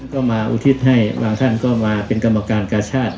ก็มาอุทิศให้บางท่านก็มาเป็นกรรมการกาชาติ